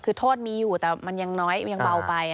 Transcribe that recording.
คือโทษมีอยู่แต่มันยังน้อยยังเบาไป